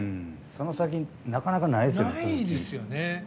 その先なかなかないですよ、続き。